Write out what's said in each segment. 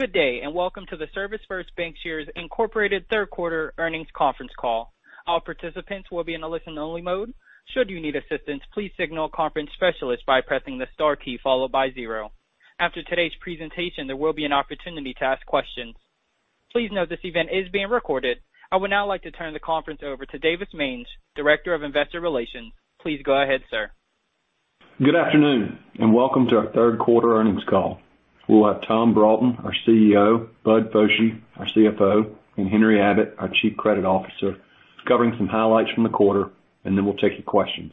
Good day, and welcome to the ServisFirst Bancshares Incorporated third quarter earnings conference call. All participants will be in a listen-only mode. Should you need assistance, please signal a conference specialist by pressing the star key followed by zero. After today's presentation, there will be an opportunity to ask questions. Please note this event is being recorded. I would now like to turn the conference over to Davis Mange, Director of Investor Relations. Please go ahead, sir. Good afternoon, and welcome to our third quarter earnings call. We'll have Tom Broughton, our CEO, Bud Foshee, our CFO, and Henry Abbott, our Chief Credit Officer, covering some highlights from the quarter, and then we'll take your questions.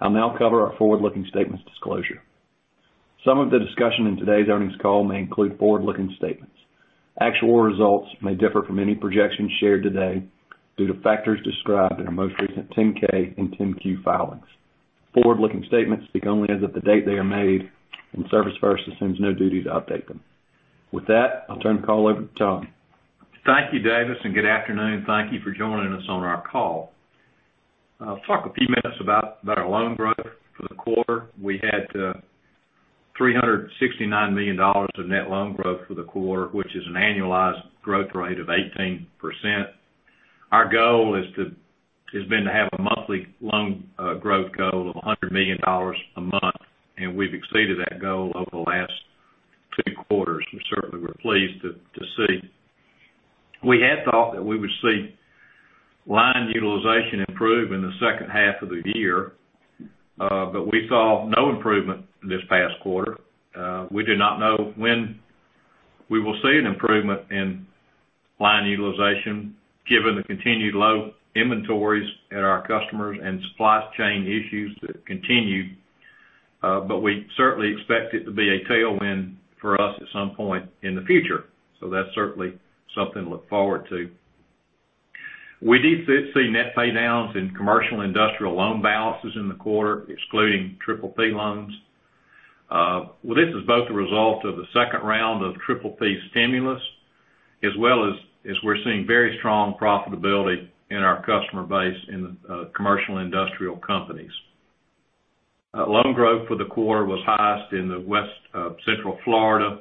I'll now cover our forward-looking statements disclosure. Some of the discussion in today's earnings call may include forward-looking statements. Actual results may differ from any projections shared today due to factors described in our most recent 10K and 10Q filings. Forward-looking statements speak only as of the date they are made. ServisFirst assumes no duty to update them. With that, I'll turn the call over to Tom. Thank you, Davis, and good afternoon. Thank you for joining us on our call. I'll talk a few minutes about our loan growth for the quarter. We had $369 million of net loan growth for the quarter, which is an annualized growth rate of 18%. Our goal has been to have a monthly loan growth goal of $100 million a month. We've exceeded that goal over the last two quarters. We certainly were pleased to see. We had thought that we would see line utilization improve in the second half of the year. We saw no improvement this past quarter. We do not know when we will see an improvement in line utilization given the continued low inventories at our customers and supply chain issues that continue. We certainly expect it to be a tailwind for us at some point in the future. That's certainly something to look forward to. We did see net paydowns in commercial industrial loan balances in the quarter, excluding PPP loans. This is both a result of the second round of PPP stimulus, as well as we're seeing very strong profitability in our customer base in the commercial and industrial companies. Loan growth for the quarter was highest in the West Central Florida,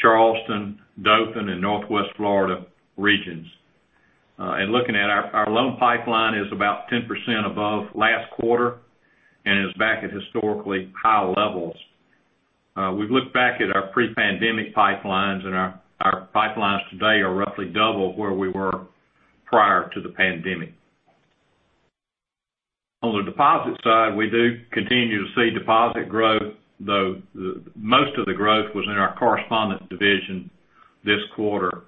Charleston, Dothan, and Northwest Florida regions. Looking at our loan pipeline is about 10% above last quarter and is back at historically high levels. We've looked back at our pre-pandemic pipelines, our pipelines today are roughly double where we were prior to the pandemic. On the deposit side, we do continue to see deposit growth, though most of the growth was in our correspondent division this quarter.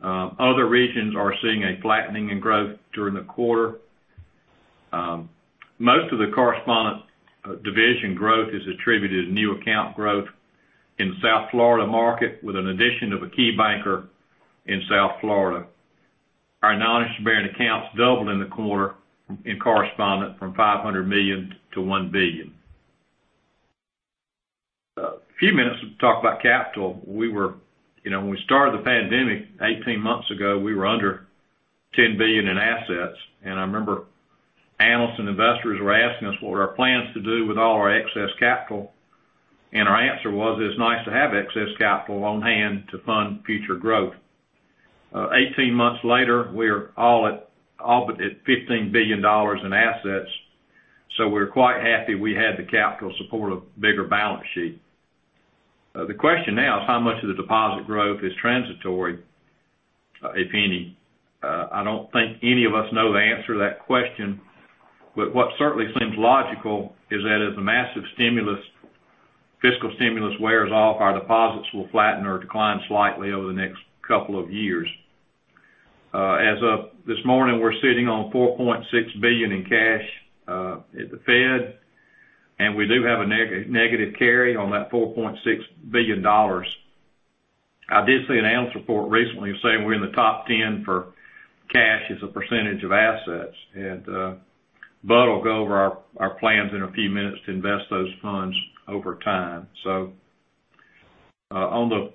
Other regions are seeing a flattening in growth during the quarter. Most of the correspondent division growth is attributed to new account growth in the South Florida market with an addition of a key banker in South Florida. Our non-interest-bearing accounts doubled in the quarter in correspondent from $500 million to $1 billion. A few minutes to talk about capital. When we started the pandemic 18 months ago, we were under $10 billion in assets. I remember analysts and investors were asking us what were our plans to do with all our excess capital. Our answer was, it's nice to have excess capital on hand to fund future growth. 18 months later, we're all but at $15 billion in assets. We're quite happy we had the capital support a bigger balance sheet. The question now is how much of the deposit growth is transitory, if any. I don't think any of us know the answer to that question, but what certainly seems logical is that as the massive fiscal stimulus wears off, our deposits will flatten or decline slightly over the next couple of years. As of this morning, we're sitting on $4.6 billion in cash, at the Fed, and we do have a negative carry on that $4.6 billion. I did see an analyst report recently saying we're in the top 10 for cash as a percentage of assets. Bud will go over our plans in a few minutes to invest those funds over time. On the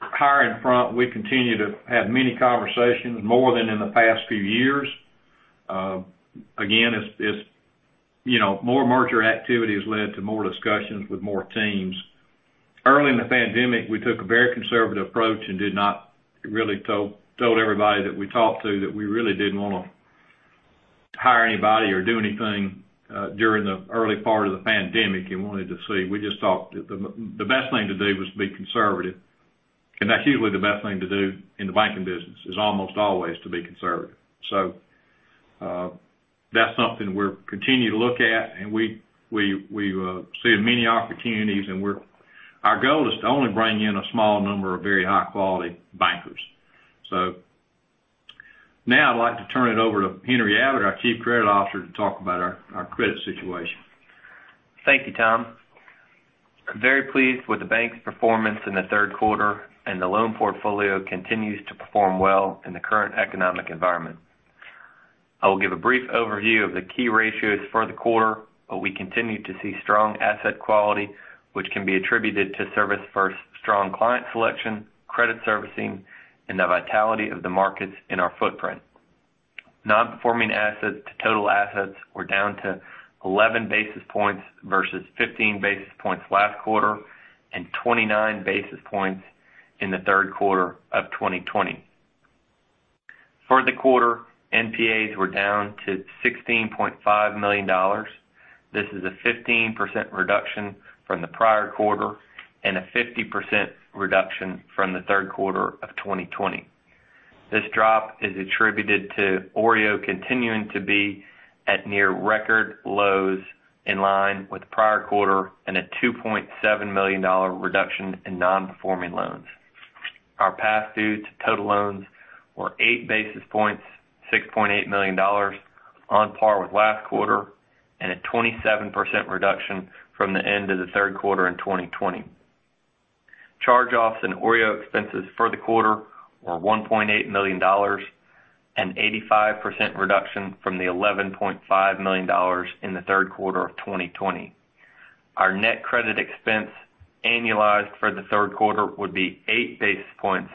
hiring front, we continue to have many conversations, more than in the past few years. Again, more merger activity has led to more discussions with more teams. Early in the pandemic, we took a very conservative approach and did not told everybody that we talked to that we really didn't want to hire anybody or do anything during the early part of the pandemic and wanted to see. We just thought the best thing to do was to be conservative, and that's usually the best thing to do in the banking business, is almost always to be conservative. That's something we're continuing to look at, and we see many opportunities, and our goal is to only bring in a small number of very high-quality bankers. Now I'd like to turn it over to Henry Abbott, our Chief Credit Officer, to talk about our credit situation. Thank you, Tom. I'm very pleased with the bank's performance in the third quarter, and the loan portfolio continues to perform well in the current economic environment. I will give a brief overview of the key ratios for the quarter, but we continue to see strong asset quality, which can be attributed to ServisFirst's strong client selection, credit servicing, and the vitality of the markets in our footprint. Non-Performing Assets to total assets were down to 11 basis points versus 15 basis points last quarter, and 29 basis points in the third quarter of 2020. For the quarter, NPAs were down to $16.5 million. This is a 15% reduction from the prior quarter and a 50% reduction from the third quarter of 2020. This drop is attributed to OREO continuing to be at near record lows, in line with the prior quarter and a $2.7 million reduction in non-performing loans. Our past due to total loans were 8 basis points, $6.8 million, on par with last quarter, and a 27% reduction from the end of the third quarter in 2020. Charge-offs and OREO expenses for the quarter were $1.8 million, an 85% reduction from the $11.5 million in the third quarter of 2020. Our net credit expense annualized for the third quarter would be 8 basis points,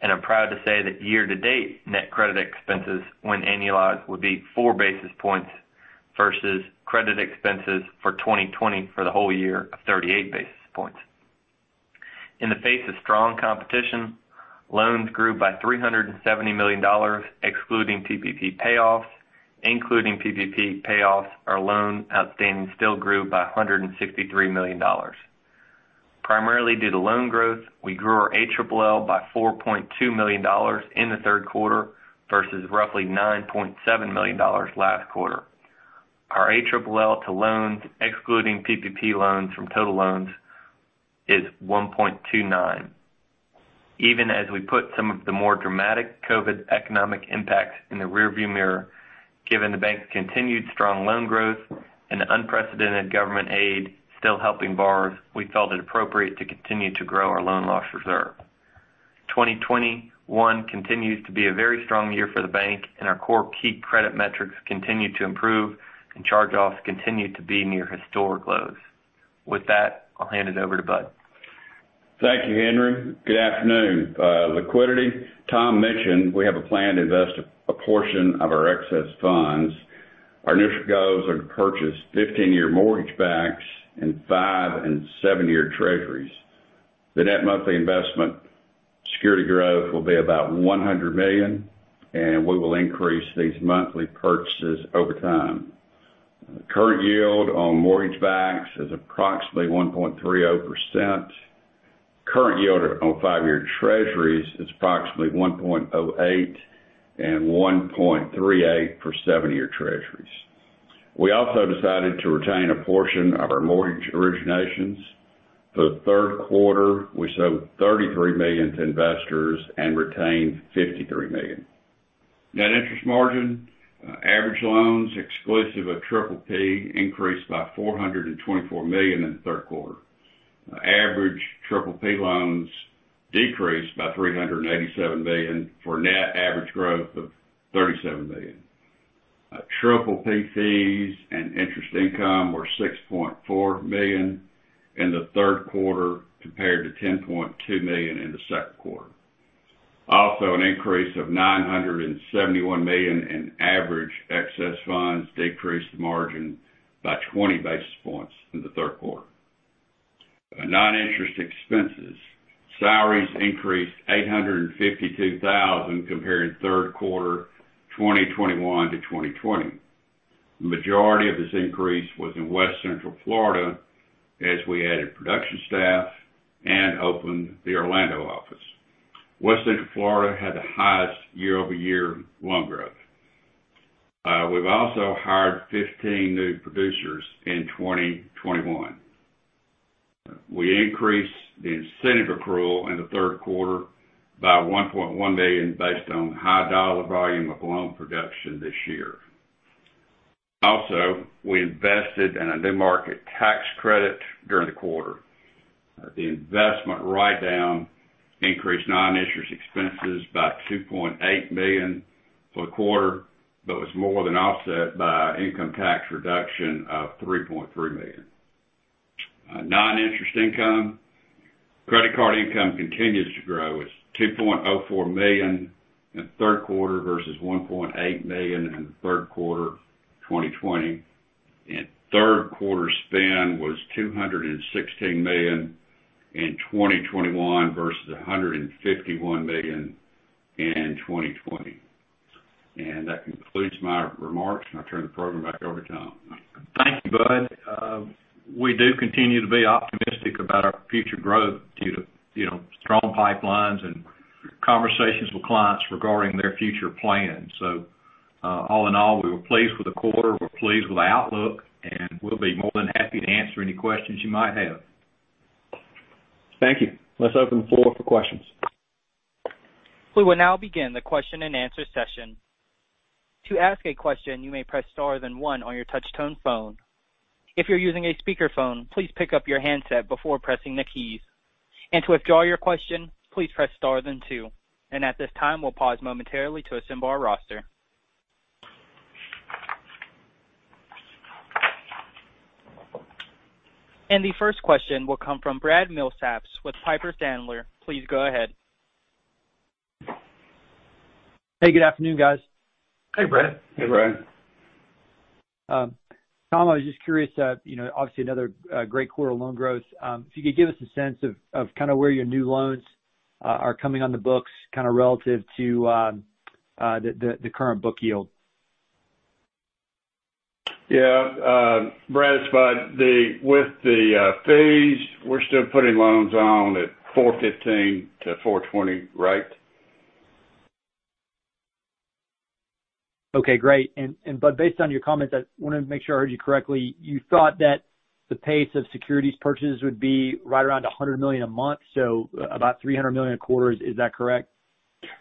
and I'm proud to say that year-to-date net credit expenses, when annualized, would be 4 basis points versus credit expenses for 2020 for the whole year of 38 basis points. In the face of strong competition, loans grew by $370 million, excluding PPP payoffs. Including PPP payoffs, our loan outstanding still grew by $163 million. Primarily due to loan growth, we grew our ALL by $4.2 million in the third quarter versus roughly $9.7 million last quarter. Our ALL to loans, excluding PPP loans from total loans, is 1.29. Even as we put some of the more dramatic COVID economic impacts in the rear view mirror, given the bank's continued strong loan growth and the unprecedented government aid still helping borrowers, we felt it appropriate to continue to grow our loan loss reserve. 2021 continues to be a very strong year for the bank, and our core key credit metrics continue to improve, and charge-offs continue to be near historic lows. With that, I'll hand it over to Bud. Thank you, Henry. Good afternoon. Liquidity, Tom mentioned we have a plan to invest a portion of our excess funds. Our initial goals are to purchase 15-year mortgage backs and five- and seven-year treasuries. The net monthly investment security growth will be about $100 million. We will increase these monthly purchases over time. Current yield on mortgage backs is approximately 1.30%. Current yield on five-year treasuries is approximately 1.08% and 1.38% for seven-year treasuries. We also decided to retain a portion of our mortgage originations. For the third quarter, we sold $33 million to investors and retained $53 million. Net interest margin, average loans exclusive of PPP increased by $424 million in the third quarter. Average PPP loans decreased by $387 million for a net average growth of $37 million. PPP fees and interest income were $6.4 million in the third quarter compared to $10.2 million in the second quarter. An increase of $971 million in average excess funds decreased the margin by 20 basis points in the third quarter. Non-interest expenses, salaries increased $852,000 comparing third quarter 2021 to 2020. The majority of this increase was in West Central Florida as we added production staff and opened the Orlando office. West Central Florida had the highest year-over-year loan growth. We've also hired 15 new producers in 2021. We increased the incentive accrual in the third quarter by $1.1 million based on high dollar volume of loan production this year. We invested in a New Markets Tax Credit during the quarter. The investment write-down increased non-interest expenses by $2.8 million for the quarter, was more than offset by income tax reduction of $3.3 million. Non-interest income, credit card income continues to grow. It's $2.04 million in the third quarter versus $1.8 million in the third quarter 2020. Third quarter spend was $216 million in 2021 versus $151 million in 2020. That concludes my remarks, and I turn the program back over to Tom. Thank you, Bud. We do continue to be optimistic about our future growth due to strong pipelines and conversations with clients regarding their future plans. All in all, we were pleased with the quarter, we're pleased with the outlook, and we'll be more than happy to answer any questions you might have. Thank you. Let's open the floor for questions. We will now begin the question and answer session. To ask a question, you may press star then one on your touch-tone phone. If you're using a speakerphone, please pick up your handset before pressing the keys. To withdraw your question, please press star then two. At this time, we'll pause momentarily to assemble our roster. The first question will come from Brad Milsaps with Piper Sandler. Please go ahead. Hey, good afternoon, guys. Hey, Brad. Hey, Brad. Tom, I was just curious, obviously another great quarter of loan growth. If you could give us a sense of where your new loans are coming on the books, kind of relative to the current book yield. Yeah. Brad, with the fees, we're still putting loans on at 415 to 420, right? Okay, great. Bud, based on your comments, I wanted to make sure I heard you correctly. You thought that the pace of securities purchases would be right around $100 million a month, so about $300 million a quarter. Is that correct?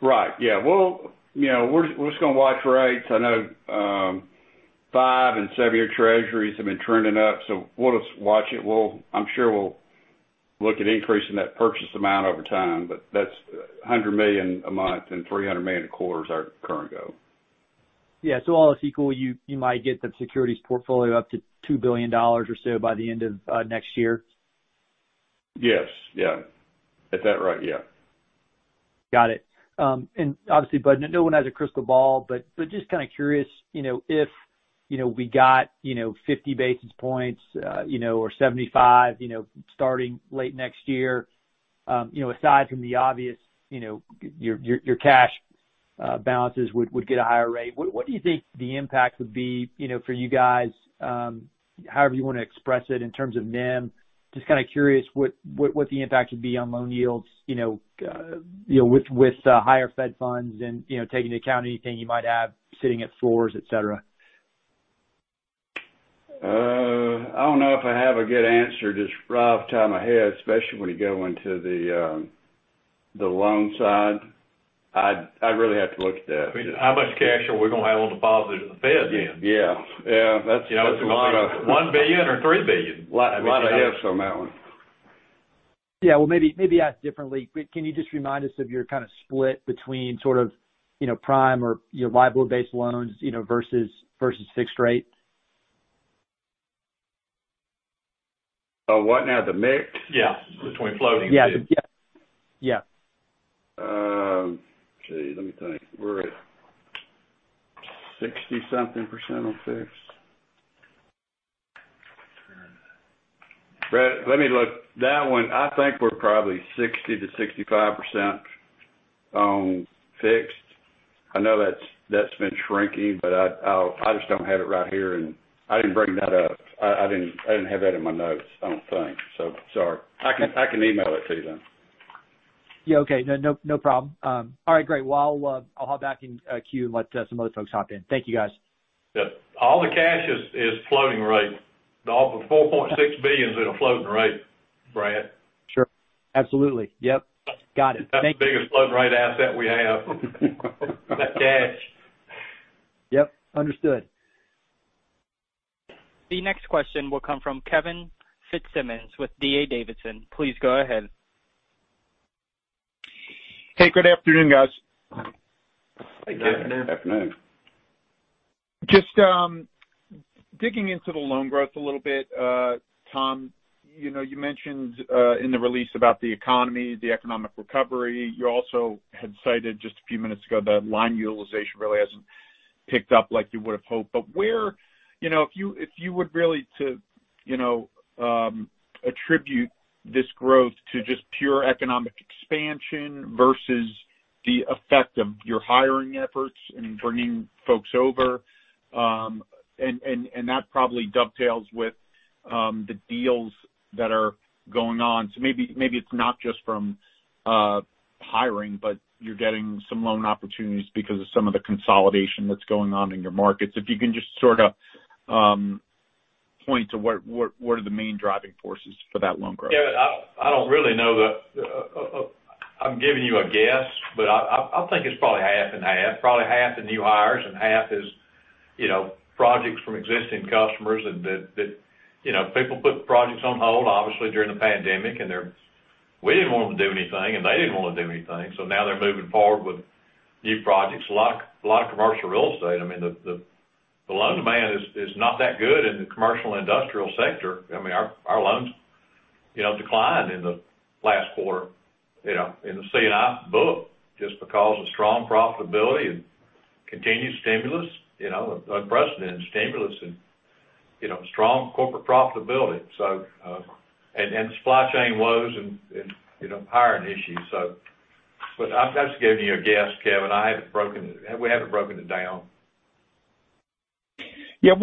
Right. Yeah. We're just going to watch rates. I know five and seven-year Treasuries have been trending up. We'll just watch it. I'm sure we'll look at increasing that purchase amount over time. That's $100 million a month and $300 million a quarter is our current goal. Yeah. All else equal, you might get the securities portfolio up to $2 billion or so by the end of next year? Yes. Yeah. If that right, yeah. Obviously, Bud, no one has a crystal ball, but just kind of curious, if we got 50 basis points, or 75, starting late next year, aside from the obvious, your cash balances would get a higher rate. What do you think the impact would be for you guys, however you want to express it in terms of NIM? Just kind of curious what the impact would be on loan yields with higher Fed funds and taking into account anything you might have sitting at floors, et cetera. I don't know if I have a good answer just off the top of my head, especially when you go into the loan side. I'd really have to look at that. How much cash are we going to have on deposit at the Fed then? Yeah. $1 billion or $3 billion? A lot of ifs on that one. Yeah. Well, maybe ask differently. Can you just remind us of your kind of split between sort of prime or your LIBOR-based loans versus fixed rate? What now? The mix? Yeah. Between floating and fixed. Yeah. Let me think. We're at 60-something percent on fixed. Brad, let me look. That one, I think we're probably 60%-65% on fixed. I know that's been shrinking, but I just don't have it right here, and I didn't bring that up. I didn't have that in my notes, I don't think, so sorry. I can email it to you then. Yeah, okay. No problem. All right, great. Well, I'll hop back in queue and let some other folks hop in. Thank you, guys. Yep. All the cash is floating rate. The $4.6 billion is in a floating rate, Brad. Sure. Absolutely. Yep. Got it. That's the biggest floating rate asset we have, that cash. Yep, understood. The next question will come from Kevin Fitzsimmons with D.A. Davidson. Please go ahead. Hey, good afternoon, guys. Hey, Kevin. Afternoon. Just digging into the loan growth a little bit. Tom, you mentioned in the release about the economy, the economic recovery. You also had cited just a few minutes ago that line utilization really hasn't picked up like you would have hoped. If you would really to attribute this growth to just pure economic expansion versus the effect of your hiring efforts and bringing folks over, and that probably dovetails with the deals that are going on. Maybe it's not just from hiring, but you're getting some loan opportunities because of some of the consolidation that's going on in your markets. If you can just sort of point to what are the main driving forces for that loan growth? Yeah, I don't really know. I'm giving you a guess, but I think it's probably half and half, probably half is new hires and half is projects from existing customers that people put projects on hold, obviously, during the pandemic, and we didn't want them to do anything, and they didn't want to do anything. Now they're moving forward with new projects, a lot of commercial real estate. The loan demand is not that good in the commercial industrial sector. Our loans declined in the last quarter in the C&I book just because of strong profitability and continued stimulus, unprecedented stimulus, and strong corporate profitability. Supply chain woes and hiring issues. That's giving you a guess, Kevin. We haven't broken it down. Yeah.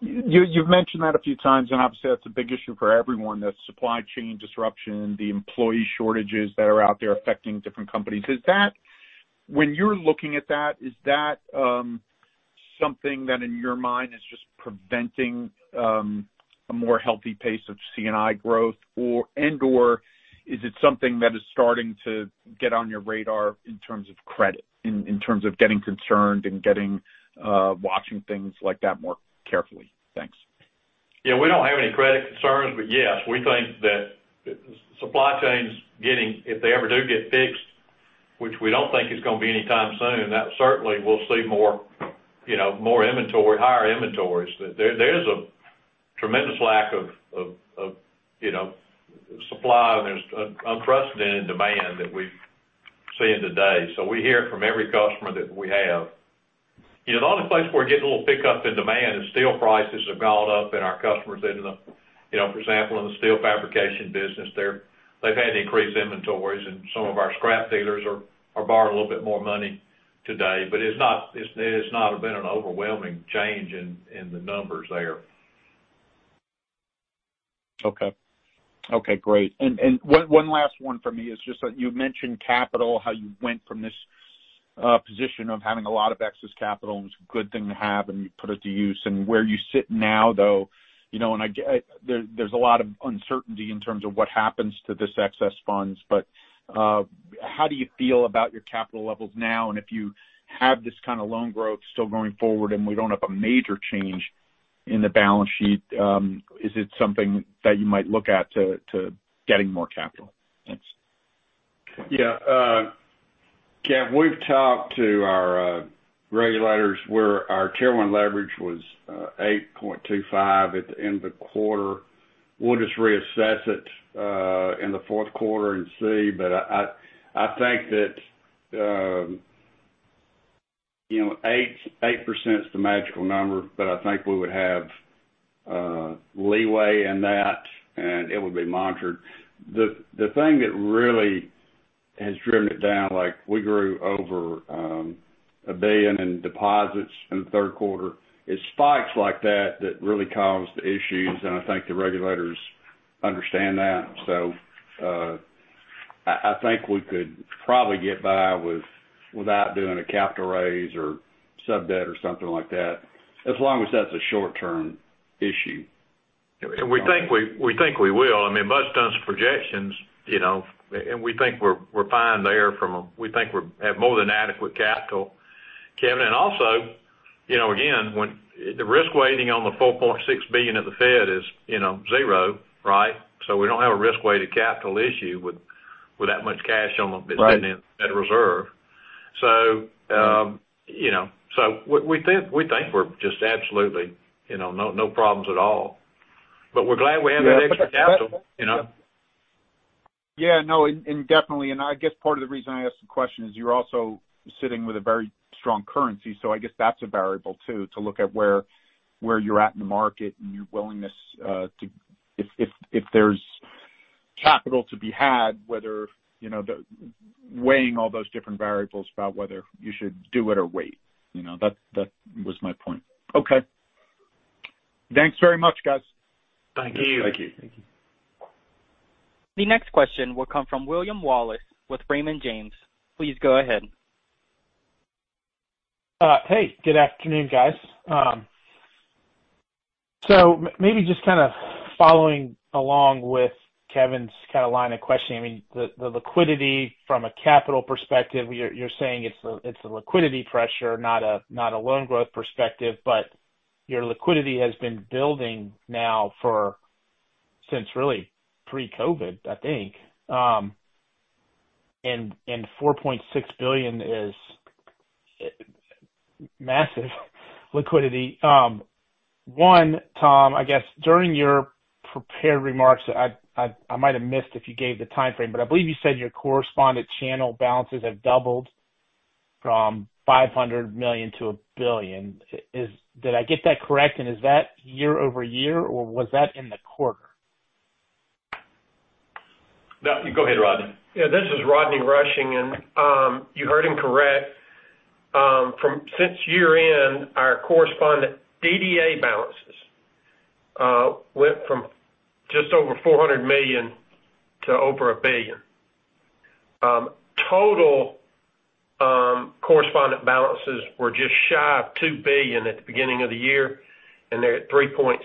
You've mentioned that a few times, and obviously that's a big issue for everyone, the supply chain disruption, the employee shortages that are out there affecting different companies. When you're looking at that, is that something that in your mind is just preventing a more healthy pace of C&I growth and/or is it something that is starting to get on your radar in terms of credit, in terms of getting concerned and watching things like that more carefully? Thanks. We don't have any credit concerns, but yes, we think that supply chains getting, if they ever do get fixed, which we don't think is going to be anytime soon, that certainly we'll see more inventory, higher inventories. There is a tremendous lack of supply, and there's unprecedented demand that we've seen today. We hear it from every customer that we have. The only place where we're getting a little pickup in demand is steel prices have gone up and our customers in the, for example, in the steel fabrication business, they've had to increase inventories, and some of our scrap dealers are borrowing a little bit more money today. It's not been an overwhelming change in the numbers there. Okay. Great. One last one for me is just that you mentioned capital, how you went from this position of having a lot of excess capital, and it was a good thing to have, and you put it to use, and where you sit now, though, and there's a lot of uncertainty in terms of what happens to this excess funds. How do you feel about your capital levels now? If you have this kind of loan growth still going forward and we don't have a major change in the balance sheet, is it something that you might look at to getting more capital? Thanks. Yeah. Kevin, we've talked to our regulators where our Tier 1 leverage was 8.25% at the end of the quarter. We'll just reassess it in the fourth quarter and see. I think that 8% is the magical number, but I think we would have leeway in that, and it would be monitored. The thing that really has driven it down, like we grew over $1 billion in deposits in the third quarter. It's spikes like that that really caused the issues, and I think the regulators understand that. I think we could probably get by without doing a capital raise or sub-debt or something like that, as long as that's a short-term issue. We think we will. I mean, Bud's done some projections, and we think we're fine there. We think we have more than adequate capital, Kevin. Also, again, when the risk weighting on the $4.6 billion at the Fed is zero, right? We don't have a risk-weighted capital issue with that much cash on the. Right Fed Reserve. We think we're just absolutely no problems at all. We're glad we have that extra capital. Yeah, no. Definitely, and I guess part of the reason I ask the question is you're also sitting with a very strong currency, so I guess that's a variable, too, to look at where you're at in the market and your willingness, if there's capital to be had, whether, weighing all those different variables about whether you should do it or wait. That was my point. Okay. Thanks very much, guys. Thank you. Thank you. Thank you. The next question will come from William Wallace with Raymond James. Please go ahead. Hey, good afternoon, guys. Maybe just kind of following along with Kevin's kind of line of questioning. I mean, the liquidity from a capital perspective, you're saying it's a liquidity pressure, not a loan growth perspective. Your liquidity has been building now since really pre-COVID, I think. $4.6 billion is massive liquidity. One, Tom, I guess during your prepared remarks, I might have missed if you gave the timeframe, but I believe you said your correspondent channel balances have doubled from $500 million to $1 billion. Did I get that correct, and is that year-over-year, or was that in the quarter? No. Go ahead, Rodney. Yeah, this is Rodney Rushing, and you heard him correct. Since year-end, our correspondent DDA balances went from just over $400 million to over $1 billion. Total correspondent balances were just shy of $2 billion at the beginning of the year, and they're at $3.6 billion.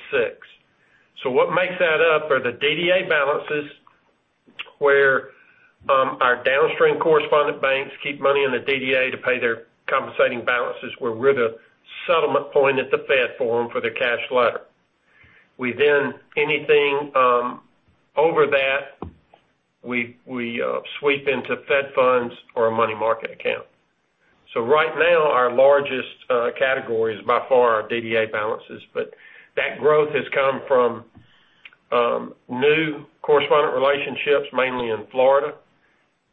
What makes that up are the DDA balances, where our downstream correspondent banks keep money in the DDA to pay their compensating balances. We're the settlement point at the Fed for them for their cash letter. Anything over that, we sweep into Federal funds or a money market account. Right now, our largest category is by far our DDA balances, but that growth has come from new correspondent relationships, mainly in Florida.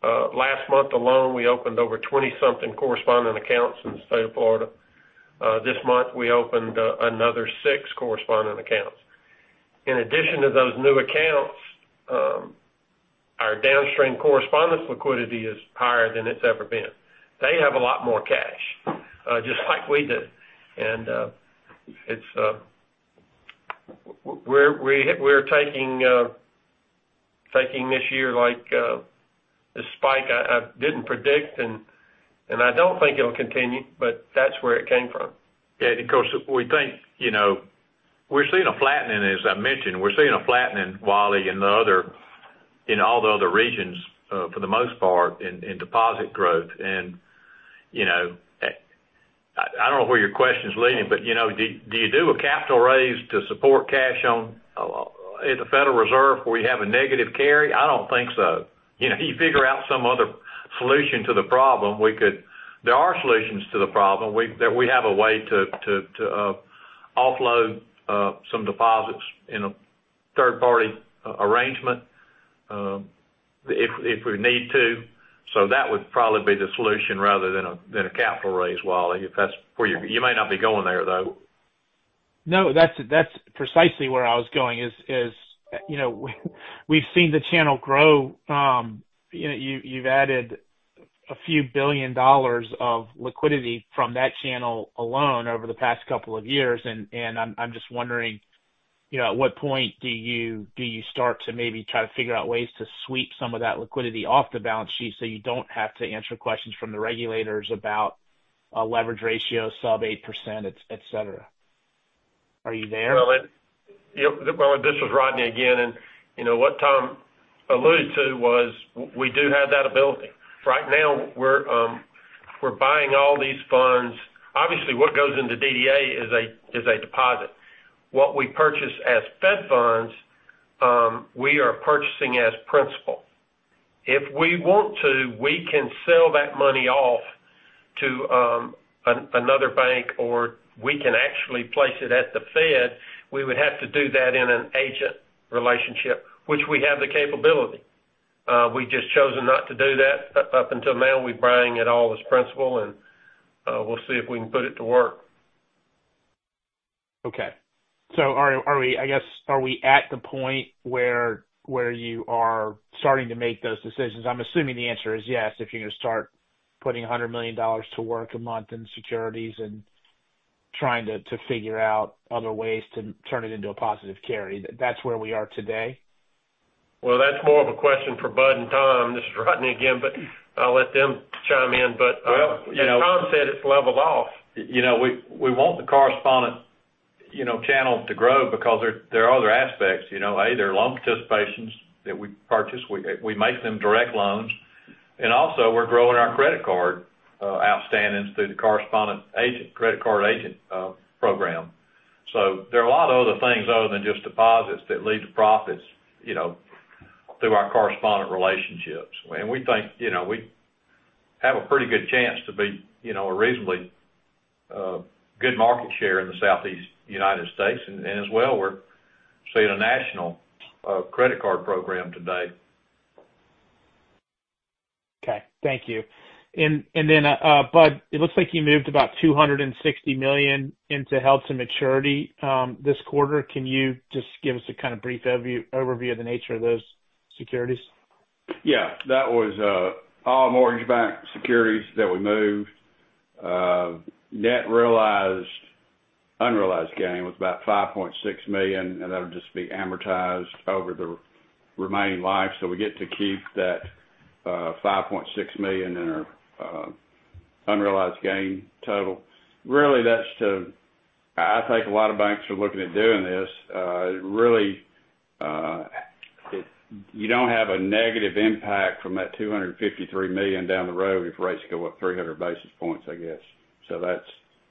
Last month alone, we opened over 20-something correspondent accounts in the state of Florida. This month, we opened another six correspondent accounts. In addition to those new accounts, our downstream correspondence liquidity is higher than it's ever been. They have a lot more cash, just like we do. We're taking this year, like, the spike I didn't predict, and I don't think it'll continue, but that's where it came from. Yeah. Of course, We're seeing a flattening, as I mentioned. We're seeing a flattening, Wally, in all the other regions, for the most part, in deposit growth. I don't know where your question's leading, do you do a capital raise to support cash on at the Federal Reserve where you have a negative carry? I don't think so. If you figure out some other solution to the problem, there are solutions to the problem. We have a way to offload some deposits in a third-party arrangement if we need to. That would probably be the solution rather than a capital raise, Wally. You might not be going there, though. No, that's precisely where I was going is, we've seen the channel grow. You've added a few billion dollars of liquidity from that channel alone over the past couple of years, I'm just wondering, at what point do you start to maybe try to figure out ways to sweep some of that liquidity off the balance sheet so you don't have to answer questions from the regulators about a leverage ratio sub 8%, et cetera. Are you there? Well, this is Rodney again, and what Tom alluded to was, we do have that ability. Right now, we're buying all these funds. Obviously, what goes into DDA is a deposit. What we purchase as Federal funds, we are purchasing as principal. If we want to, we can sell that money off to another bank, or we can actually place it at the Fed. We would have to do that in an agent relationship, which we have the capability. We've just chosen not to do that up until now. We're buying it all as principal, and we'll see if we can put it to work. Okay. Are we at the point where you are starting to make those decisions? I'm assuming the answer is yes, if you're going to start putting $100 million to work a month in securities and trying to figure out other ways to turn it into a positive carry. That's where we are today? Well, that's more of a question for Bud and Tom. This is Rodney again, but I'll let them chime in. Well, you know. As Tom said, it's leveled off. We want the correspondent channel to grow because there are other aspects. A, there are loan participations that we purchase. We make them direct loans. Also, we're growing our credit card outstandings through the correspondent agent, credit card agent program. There are a lot of other things other than just deposits that lead to profits through our correspondent relationships. We think we have a pretty good chance to be a reasonably good market share in the Southeast U.S., and as well, we're seeing a national credit card program today. Okay. Thank you. Bud, it looks like you moved about $260 million into Held to maturity this quarter. Can you just give us a kind of brief overview of the nature of those securities? Yeah. That was all mortgage-backed securities that we moved. Net unrealized gain was about $5.6 million, and that'll just be amortized over the remaining life. We get to keep that $5.6 million in our unrealized gain total. Really, I think a lot of banks are looking at doing this. Really, you don't have a negative impact from that $253 million down the road if rates go up 300 basis points, I guess. Yeah.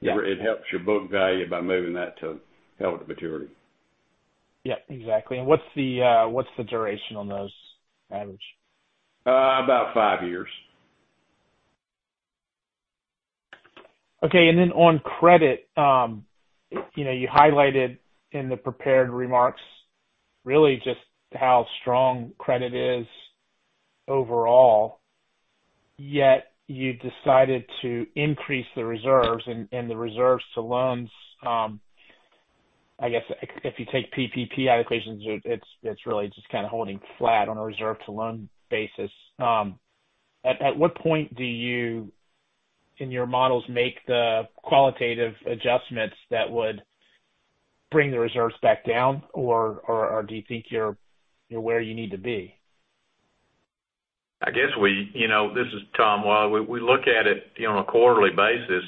It helps your book value by moving that to Held to maturity. Yep, exactly. What's the duration on those average? About five years. Okay, on credit, you highlighted in the prepared remarks really just how strong credit is overall, yet you decided to increase the reserves, the reserves to loans, I guess if you take PPP out of the equation, it's really just kind of holding flat on a reserve to loan basis. At what point do you, in your models, make the qualitative adjustments that would bring the reserves back down? Or do you think you're where you need to be? This is Tom. We look at it on a quarterly basis.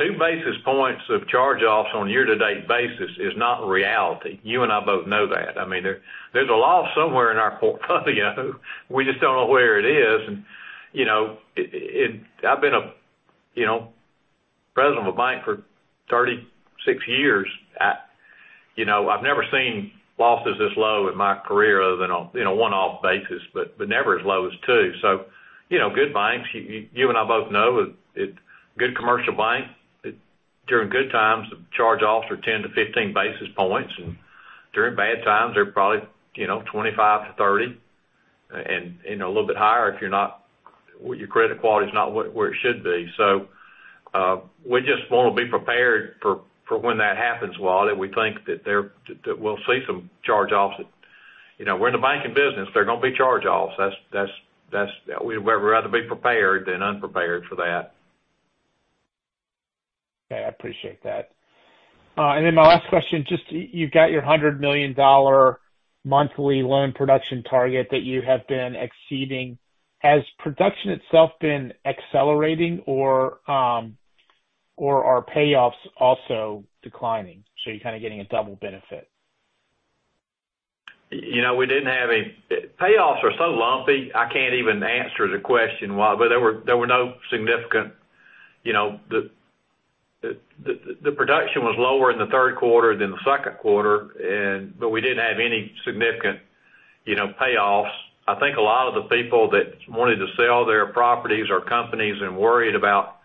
2 basis points of charge-offs on a year-to-date basis is not reality. You and I both know that. There's a loss somewhere in our portfolio. We just don't know where it is. I've been a president of a bank for 36 years. I've never seen losses this low in my career other than on one-off basis, but never as low as 2. Good banks, you and I both know, a good commercial bank, during good times, the charge-offs are 10-15 basis points, and during bad times, they're probably 25-30, and a little bit higher if your credit quality is not where it should be. We just want to be prepared for when that happens, Wally. We think that we'll see some charge-offs. We're in the banking business. There are going to be charge-offs. We'd rather be prepared than unprepared for that. Okay. I appreciate that. My last question, just you've got your $100 million monthly loan production target that you have been exceeding. Has production itself been accelerating or are payoffs also declining, so you're kind of getting a double benefit? Payoffs are so lumpy, I can't even answer the question, Wally. The production was lower in the third quarter than the second quarter, but we didn't have any significant payoffs. I think a lot of the people that wanted to sell their properties or companies and worried about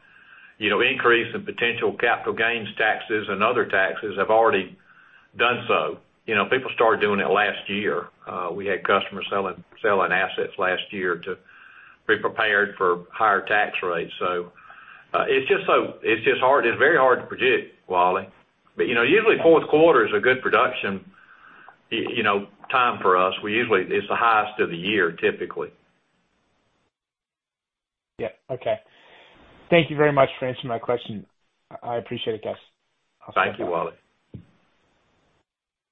increase in potential capital gains taxes and other taxes have already done so. People started doing it last year. We had customers selling assets last year to be prepared for higher tax rates. It's very hard to predict, Wally. Usually fourth quarter is a good production time for us. It's the highest of the year, typically. Yeah. Okay. Thank you very much for answering my question. I appreciate it, guys. Thank you, Wally.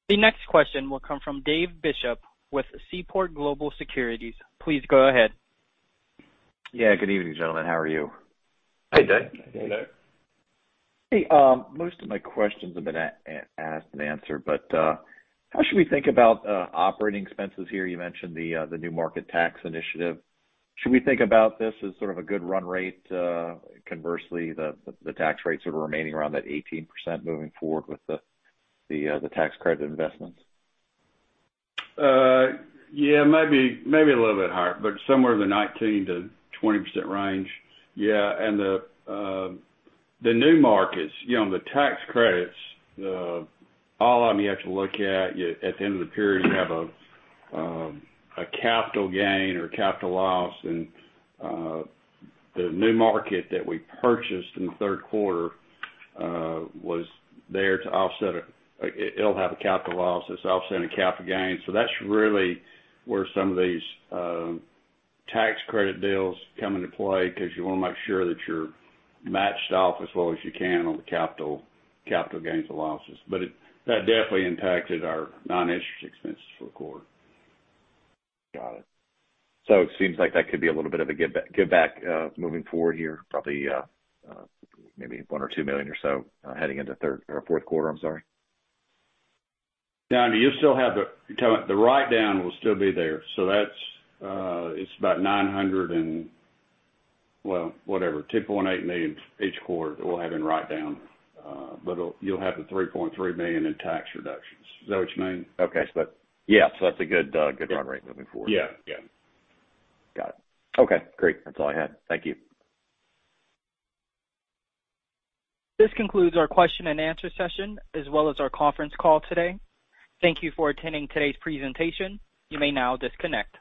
The next question will come from Dave Bishop with Seaport Global Securities. Please go ahead. Yeah. Good evening, gentlemen. How are you? Hey, Dave. Hey, Dave. Hey. How should we think about operating expenses here? You mentioned the New Markets Tax initiative. Should we think about this as sort of a good run rate? Conversely, the tax rates remaining around that 18% moving forward with the tax credit investments? Maybe a little bit higher, but somewhere in the 19%-20% range. Yeah. The New Markets, the tax credits, all of them you have to look at the end of the period, you have a capital gain or a capital loss. The New Market that we purchased in the third quarter was there to offset. It'll have a capital loss that's offsetting a capital gain. That's really where some of these tax credit deals come into play, because you want to make sure that you're matched off as well as you can on the capital gains or losses. That definitely impacted our non-interest expenses for the quarter. Got it. It seems like that could be a little bit of a giveback moving forward here. Probably maybe $1 or $2 million or so heading into fourth quarter. No, the write-down will still be there. It's about $2.8 million each quarter that we'll have in write-down. You'll have the $3.3 million in tax reductions. Is that what you mean? Okay. Yeah. That's a good run rate moving forward. Yeah. Got it. Okay, great. That's all I had. Thank you. This concludes our question and answer session, as well as our conference call today. Thank you for attending today's presentation. You may now disconnect.